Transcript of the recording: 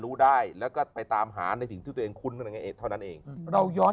รู้ได้แล้วก็ไปตามหาในสิ่งที่ตัวเองคุ้นเท่านั้นเองเราย้อน